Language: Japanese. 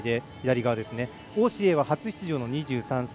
王紫瑩は初出場の２３歳。